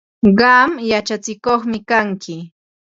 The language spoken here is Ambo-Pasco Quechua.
Qam yachatsikuqmi kanki.